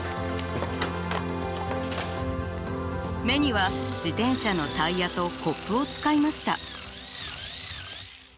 目には自転車のタイヤとコップを使いました。